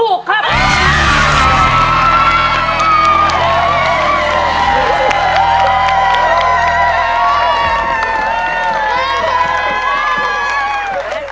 ถูกครับ